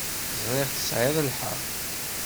Ẓriɣ tesɛiḍ lḥeqq.